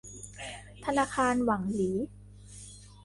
ธนาคารหวั่งหลี